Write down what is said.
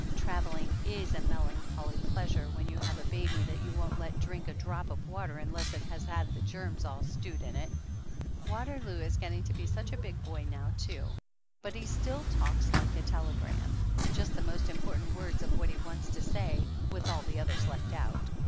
Traveling is a melancholy pleasure when you have a baby that you won't let drink a drop of water unless it has had the germs all stewed in 262 THE ANNALS OF ANN it. Waterloo is getting to be such a big boy now, too ; but he still talks like a telegram just the most important words of what he wants to say, with all the others left out.